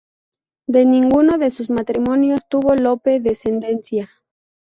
De ninguno de sus matrimonios tuvo Lope descendencia.